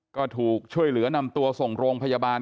ก็ถูกช่วยเหลือนำตัวส่งโรงพยาบาล